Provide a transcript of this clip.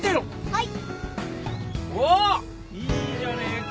はい。